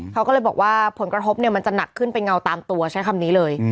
เขาก็เลยบอกว่าผลกระทบมันจะหนักขึ้นไปเงาตามตัวใช้คำนี้เลย